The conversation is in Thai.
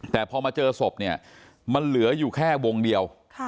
แต่พอมาเจอศพเนี่ยมันเหลืออยู่แค่วงเดียว